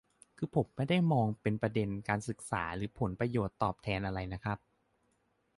คือผมไม่ได้มองเป็นประเด็นการศึกษาหรือผลประโยชน์ตอบแทนอะไรน่ะครับ